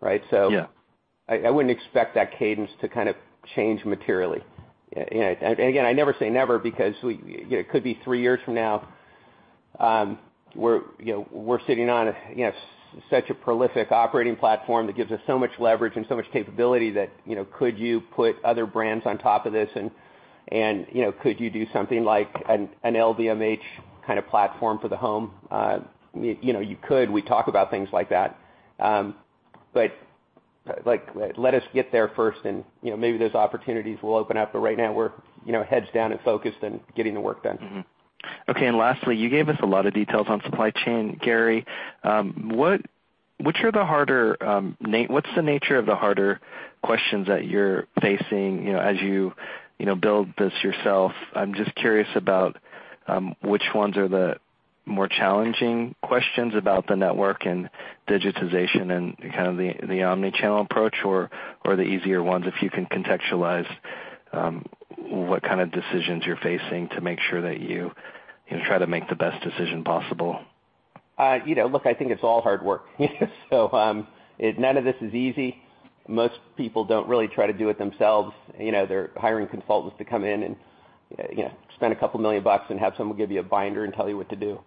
Yeah. I wouldn't expect that cadence to change materially. Again, I never say never because it could be three years from now, we're sitting on such a prolific operating platform that gives us so much leverage and so much capability that could you put other brands on top of this and could you do something like an LVMH kind of platform for the home? You could. We talk about things like that. Let us get there first and maybe those opportunities will open up, but right now we're heads down and focused and getting the work done. Okay, lastly, you gave us a lot of details on supply chain, Gary. What's the nature of the harder questions that you're facing as you build this yourself? I'm just curious about which ones are the more challenging questions about the network and digitization and the omni-channel approach, or the easier ones, if you can contextualize what kind of decisions you're facing to make sure that you try to make the best decision possible. Look, I think it's all hard work. None of this is easy. Most people don't really try to do it themselves. They're hiring consultants to come in and spend a couple million dollars and have someone give you a binder and tell you what to do.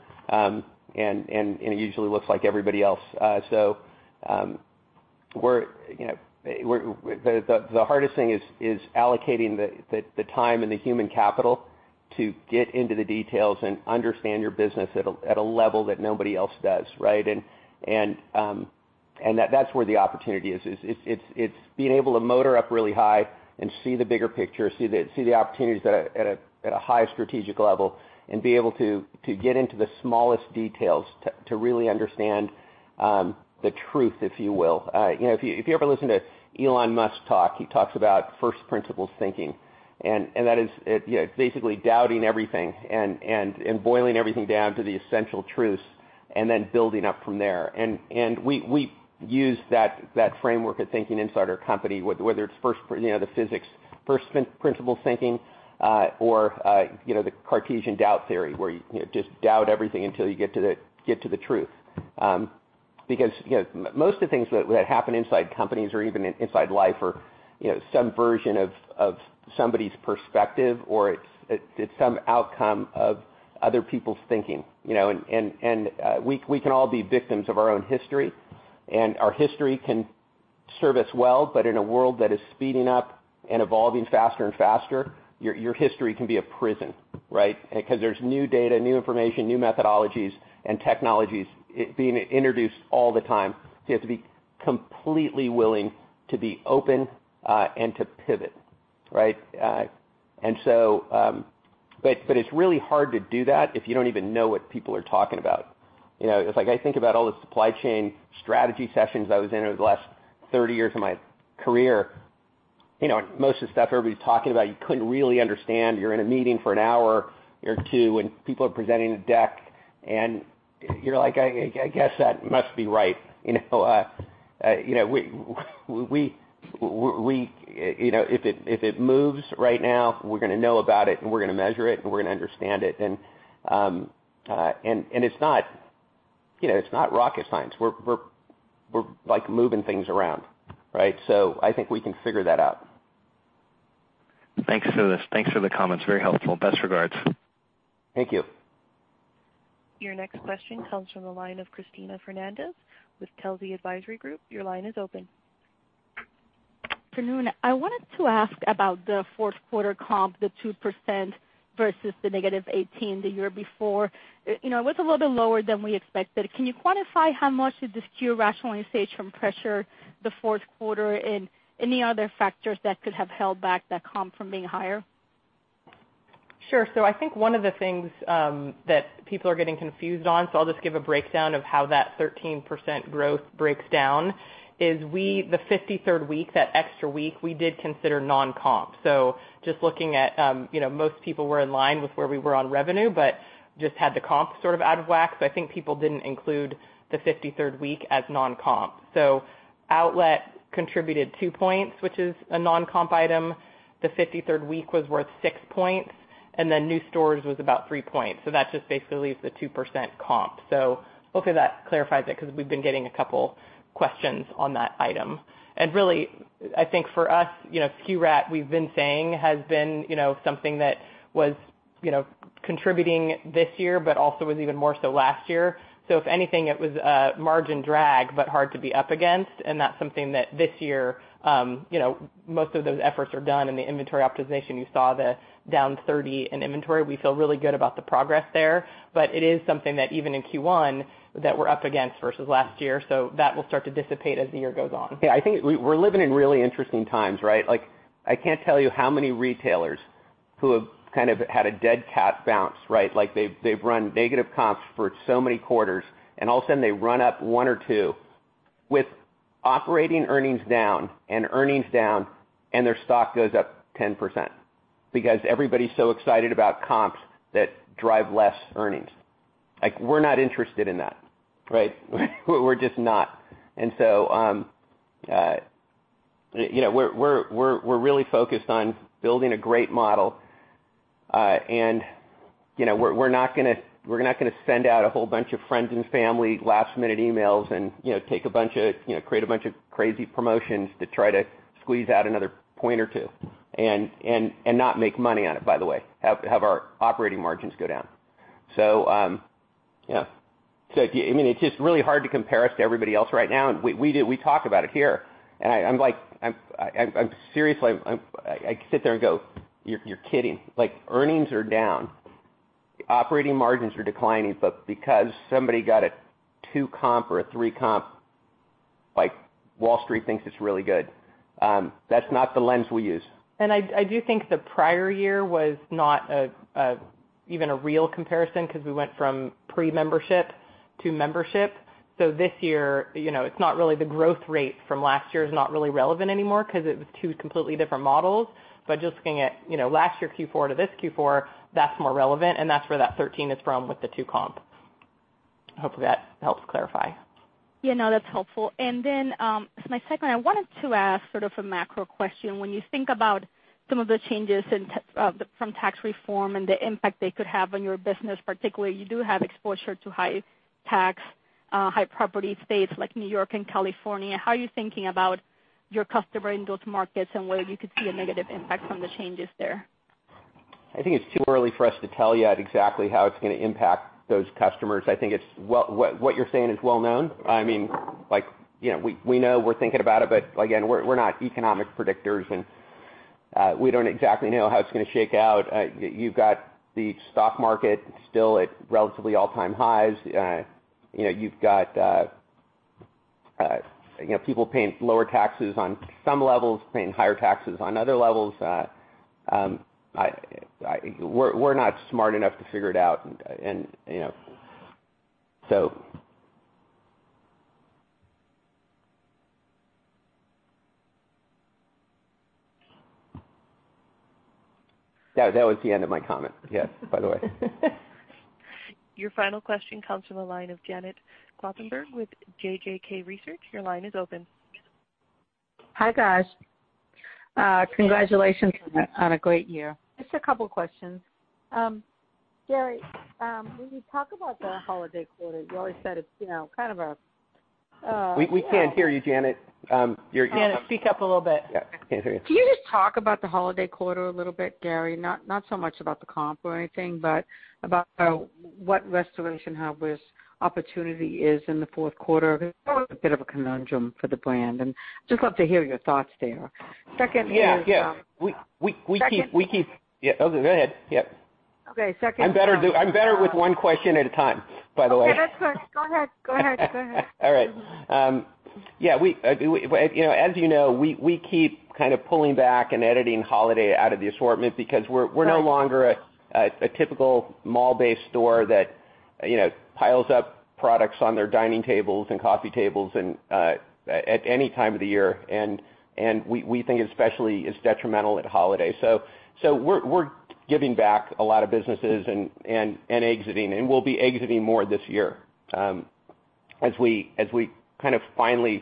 It usually looks like everybody else. The hardest thing is allocating the time and the human capital to get into the details and understand your business at a level that nobody else does. That's where the opportunity is. It's being able to motor up really high and see the bigger picture, see the opportunities at a high strategic level, and be able to get into the smallest details to really understand the truth, if you will. If you ever listen to Elon Musk talk, he talks about first principles thinking. That is basically doubting everything and boiling everything down to the essential truths, then building up from there. We use that framework of thinking inside our company, whether it's the physics first principles thinking or the Cartesian doubt theory, where you just doubt everything until you get to the truth. Most of the things that happen inside companies or even inside life are some version of somebody's perspective, or it's some outcome of other people's thinking. We can all be victims of our own history, and our history can serve us well, but in a world that is speeding up and evolving faster and faster, your history can be a prison. There's new data, new information, new methodologies and technologies being introduced all the time. You have to be completely willing to be open and to pivot. It's really hard to do that if you don't even know what people are talking about. It's like I think about all the supply chain strategy sessions I was in over the last 30 years of my career. Most of the stuff everybody's talking about, you couldn't really understand. You're in a meeting for an hour or two, and people are presenting a deck. You're like, "I guess that must be right." If it moves right now, we're going to know about it, and we're going to measure it, and we're going to understand it. It's not rocket science. We're moving things around. Right? I think we can figure that out. Thanks for the comments. Very helpful. Best regards. Thank you. Your next question comes from the line of Cristina Fernandez with Telsey Advisory Group. Your line is open. Afternoon. I wanted to ask about the fourth quarter comp, the 2% versus the -18% the year before. It was a little bit lower than we expected. Can you quantify how much did the SKU rationalization pressure the fourth quarter, and any other factors that could have held back that comp from being higher? I think one of the things that people are getting confused on, I'll just give a breakdown of how that 13% growth breaks down, is the 53rd week, that extra week, we did consider non-comp. Just looking at most people were in line with where we were on revenue, but just had the comp sort of out of whack. I think people didn't include the 53rd week as non-comp. Outlet contributed 2 points, which is a non-comp item. The 53rd week was worth 6 points, new stores was about 3 points. That just basically is the 2% comp. Hopefully that clarifies it because we've been getting a couple questions on that item. Really, I think for us, SKU rationalization, we've been saying, has been something that was contributing this year, but also was even more so last year. If anything, it was a margin drag, hard to be up against. That's something that this year, most of those efforts are done in the inventory optimization. You saw the -30% in inventory. We feel really good about the progress there. It is something that even in Q1, that we're up against versus last year. That will start to dissipate as the year goes on. Yeah, I think we're living in really interesting times, right? I can't tell you how many retailers who have kind of had a dead cat bounce, right? They've run negative comps for so many quarters, and all of a sudden they run up one or two with operating earnings down and earnings down, and their stock goes up 10%. Because everybody's so excited about comps that drive less earnings. We're not interested in that, right? We're just not. We're really focused on building a great model. We're not going to send out a whole bunch of friends and family last-minute emails and create a bunch of crazy promotions to try to squeeze out another point or two and not make money on it, by the way. Have our operating margins go down. It's just really hard to compare us to everybody else right now, and we talk about it here. I'm like, I sit there and go, "You're kidding." Earnings are down. Operating margins are declining, but because somebody got a two comp or a three comp, Wall Street thinks it's really good. That's not the lens we use. I do think the prior year was not even a real comparison because we went from pre-membership to membership. This year, the growth rate from last year is not really relevant anymore because it was two completely different models. Just looking at last year Q4 to this Q4, that's more relevant, and that's where that 13 is from with the two comp. Hopefully, that helps clarify. Yeah, no, that's helpful. As my second one, I wanted to ask sort of a macro question. When you think about some of the changes from tax reform and the impact they could have on your business, particularly, you do have exposure to high tax, high property states like New York and California. How are you thinking about your customer in those markets and whether you could see a negative impact from the changes there? I think it's too early for us to tell yet exactly how it's going to impact those customers. I think what you're saying is well known. We know, we're thinking about it. Again, we're not economic predictors, and we don't exactly know how it's going to shake out. You've got the stock market still at relatively all-time highs. You've got people paying lower taxes on some levels, paying higher taxes on other levels. We're not smart enough to figure it out. That was the end of my comment, yes, by the way. Your final question comes from the line of Janet Kloppenburg with JJK Research. Your line is open. Hi, guys. Congratulations on a great year. Just a couple questions. Gary, when you talk about the holiday quarter, you always said it's kind of. We can't hear you, Janet. Janet, speak up a little bit. Yeah. Can't hear you. Can you just talk about the holiday quarter a little bit, Gary? Not so much about the comp or anything, but about what Restoration Hardware's opportunity is in the fourth quarter. It's always a bit of a conundrum for the brand, and just love to hear your thoughts there. Yeah. Second- Go ahead. Yep. Okay. I'm better with one question at a time, by the way. Okay, that's fine. Go ahead. All right. As you know, we keep kind of pulling back and editing holiday out of the assortment because we're no longer a typical mall-based store that piles up products on their dining tables and coffee tables at any time of the year. We think especially it's detrimental at holiday. We're giving back a lot of businesses and exiting, and we'll be exiting more this year. As we finally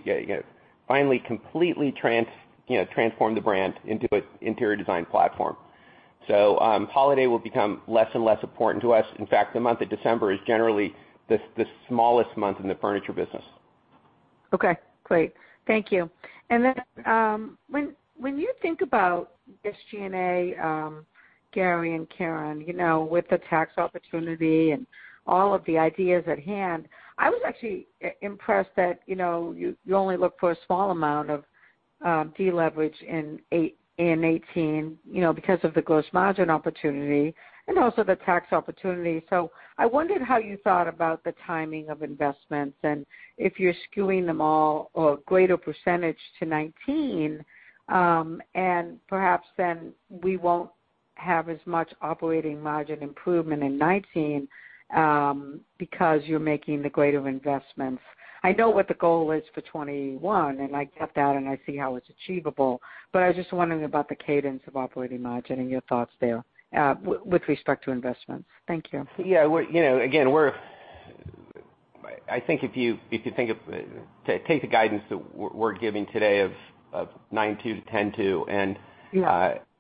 completely transform the brand into an interior design platform. Holiday will become less and less important to us. In fact, the month of December is generally the smallest month in the furniture business. Okay, great. Thank you. When you think about SG&A, Gary and Karen, with the tax opportunity and all of the ideas at hand, I was actually impressed that you only look for a small amount of deleverage in 2018, because of the gross margin opportunity and also the tax opportunity. I wondered how you thought about the timing of investments and if you're skewing them all, or a greater percentage to 2019, perhaps we won't have as much operating margin improvement in 2019, because you're making the greater investments. I know what the goal is for 2021, and I get that, and I see how it's achievable. I was just wondering about the cadence of operating margin and your thoughts there, with respect to investments. Thank you. Yeah. Again, I think if you take the guidance that we're giving today of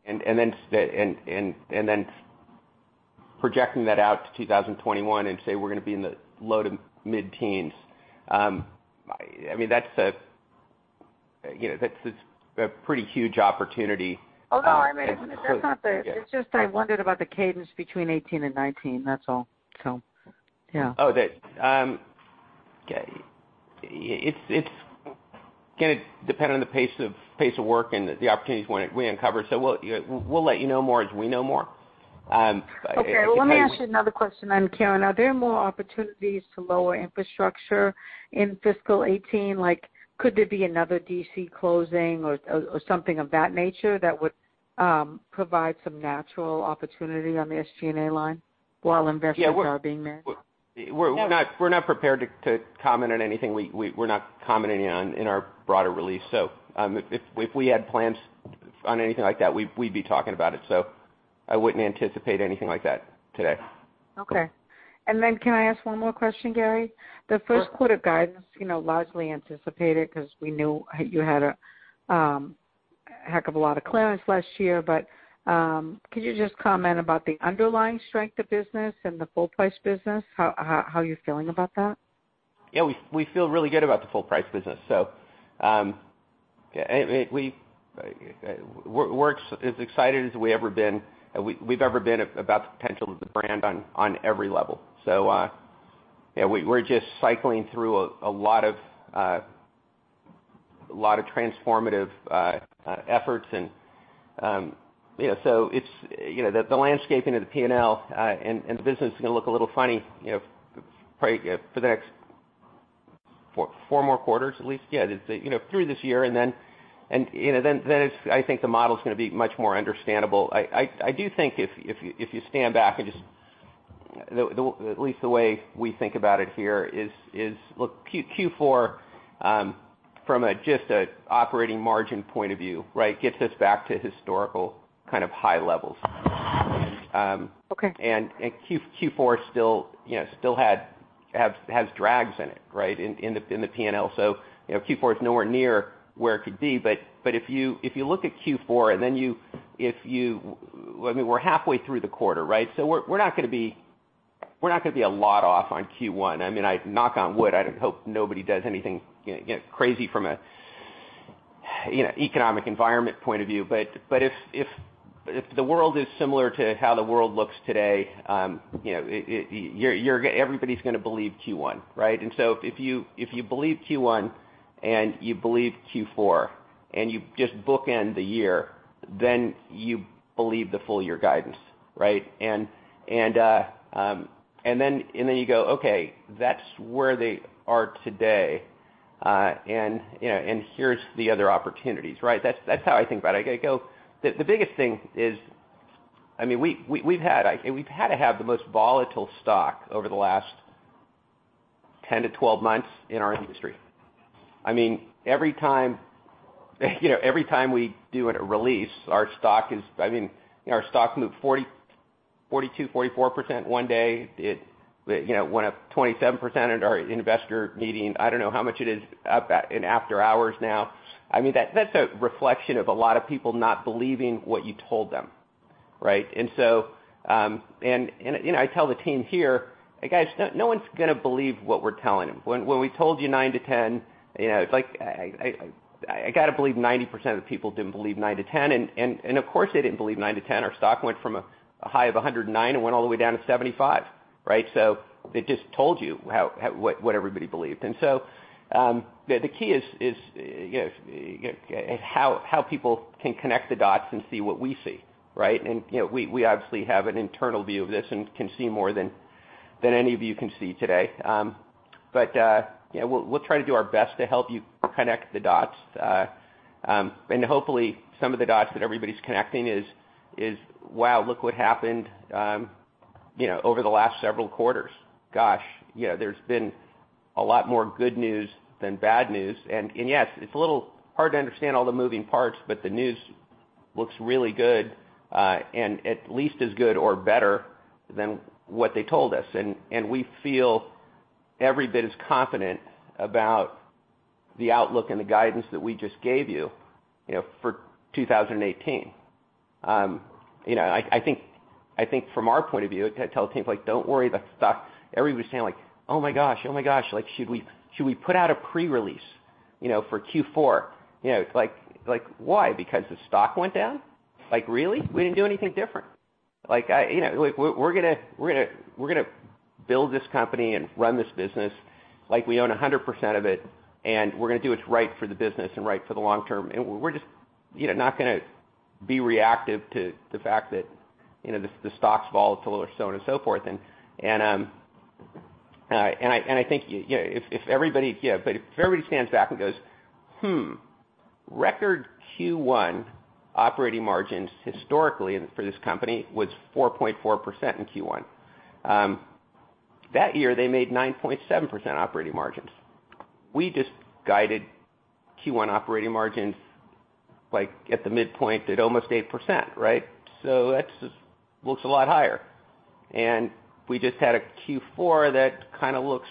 9.2%-10.2%, projecting that out to 2021 and say we're going to be in the low to mid-teens. That's a pretty huge opportunity. It's just I wondered about the cadence between 2018 and 2019, that's all. Yeah. Okay. It's going to depend on the pace of work and the opportunities we uncover. We'll let you know more as we know more. Okay. Well, let me ask you another question, Karen. Are there more opportunities to lower infrastructure in fiscal 2018? Could there be another DC closing or something of that nature that would provide some natural opportunity on the SG&A line while investments are being made? We're not prepared to comment on anything we're not commenting on in our broader release. If we had plans on anything like that, we'd be talking about it. I wouldn't anticipate anything like that today. Okay. Can I ask one more question, Gary? Sure. The first quarter guidance, largely anticipated because we knew you had a heck of a lot of clearance last year, could you just comment about the underlying strength of business and the full price business, how you're feeling about that? We feel really good about the full price business. We're as excited as we've ever been about the potential of the brand on every level. We're just cycling through a lot of transformative efforts, the landscaping of the P&L, and the business is going to look a little funny for the next 4 more quarters at least. Through this year, I think the model's going to be much more understandable. I do think if you stand back and At least the way we think about it here is, look, Q4, from just an operating margin point of view gets us back to historical kind of high levels. Okay. Q4 still has drags in it, in the P&L. Q4 is nowhere near where it could be, but if you look at Q4. We're halfway through the quarter, right? We're not going to be a lot off on Q1. Knock on wood, I hope nobody does anything crazy from an economic environment point of view, but if the world is similar to how the world looks today, everybody's going to believe Q1, right? If you believe Q1 and you believe Q4 and you just bookend the year, you believe the full year guidance. You go, okay, that's where they are today, and here's the other opportunities. That's how I think about it. The biggest thing is, we've had to have the most volatile stock over the last 10-12 months in our industry. Every time we do a release, our stock moves 40%, 42%, 44% one day. It went up 27% at our investor meeting. I don't know how much it is up in after hours now. That's a reflection of a lot of people not believing what you told them. I tell the team here, "Hey, guys, no one's going to believe what we're telling them." When we told you 9-10, it's like I got to believe 90% of the people didn't believe 9-10, of course they didn't believe 9-10. Our stock went from a high of 109 and went all the way down to 75. It just told you what everybody believed. The key is how people can connect the dots and see what we see. We obviously have an internal view of this and can see more than any of you can see today. We'll try to do our best to help you connect the dots. Hopefully, some of the dots that everybody's connecting is, wow, look what happened over the last several quarters. Gosh, there's been a lot more good news than bad news. Yes, it's a little hard to understand all the moving parts, the news looks really good, at least as good or better than what they told us. We feel every bit as confident about the outlook and the guidance that we just gave you for 2018. I think from our point of view, I tell the team, "Don't worry about the stock." Everybody was saying, like, "Oh my gosh, should we put out a pre-release for Q4?" Why? Because the stock went down? Really? We didn't do anything different. We're going to build this company and run this business like we own 100% of it, and we're going to do what's right for the business and right for the long term. We're just not going to be reactive to the fact that the stock's volatile or so on and so forth. I think if everybody stands back and goes, "Hmm, record Q1 operating margins historically for this company was 4.4% in Q1." That year, they made 9.7% operating margins. We just guided Q1 operating margins at the midpoint at almost 8%, right? That looks a lot higher. We just had a Q4 that kind of looks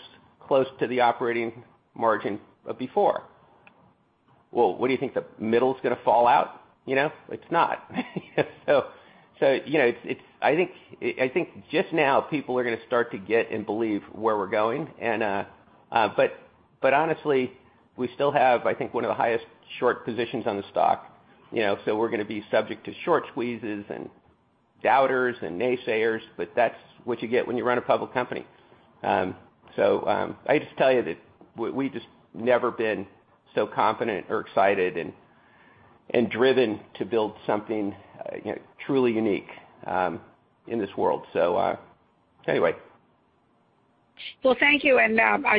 close to the operating margin of before. Well, what do you think, the middle's going to fall out? It's not. I think just now people are going to start to get and believe where we're going. But honestly, we still have, I think, one of the highest short positions on the stock. We're going to be subject to short squeezes and doubters and naysayers, but that's what you get when you run a public company. I just tell you that we've just never been so confident or excited and driven to build something truly unique in this world. Anyway. Well, thank you.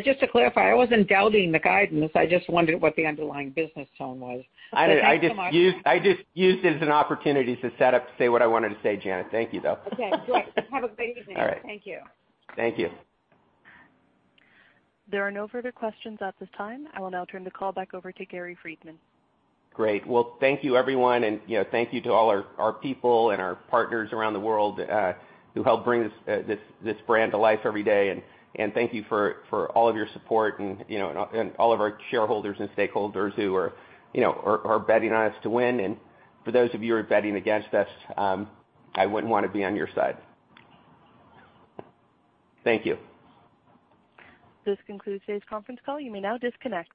Just to clarify, I wasn't doubting the guidance. I just wondered what the underlying business tone was. I just used it as an opportunity to set up to say what I wanted to say, Janet. Thank you, though. Okay, good. Have a great evening. All right. Thank you. Thank you. There are no further questions at this time. I will now turn the call back over to Gary Friedman. Great. Well, thank you everyone, and thank you to all our people and our partners around the world, who help bring this brand to life every day. Thank you for all of your support and all of our shareholders and stakeholders who are betting on us to win. For those of you who are betting against us, I wouldn't want to be on your side. Thank you. This concludes today's conference call. You may now disconnect.